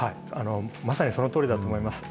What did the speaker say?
まさにそのとおりだと思います。